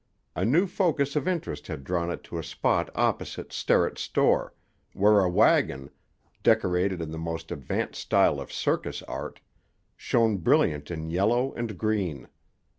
A new focus of interest had drawn it to a spot opposite Sterrett's store, where a wagon, decorated in the most advanced style of circus art, shone brilliant in yellow and green.